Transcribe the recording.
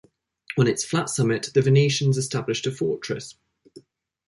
On its flat summit the Venetians established a fortress.